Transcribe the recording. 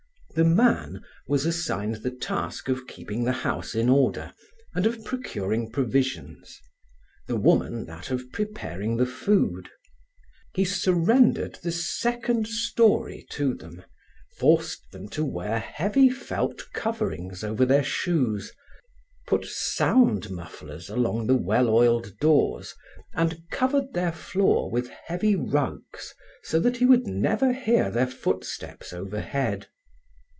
The man was assigned the task of keeping the house in order and of procuring provisions, the woman that of preparing the food. He surrendered the second story to them, forced them to wear heavy felt coverings over their shoes, put sound mufflers along the well oiled doors and covered their floor with heavy rugs so that he would never hear their footsteps overhead.